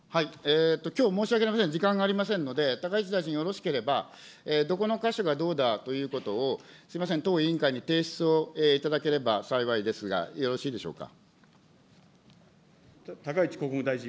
きょう申し訳ありません、時間がありませんので、高市大臣、よろしければ、どこの箇所がどうだということを、すみません、当委員会に提出をいただければ幸いですが、よろしいでしょうか。